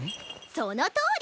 そのとおり！